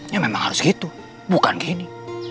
ya memang harus gitu bukan gini